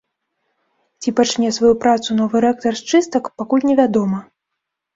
Ці пачне сваю працу новы рэктар з чыстак, пакуль не вядома.